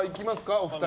お二人。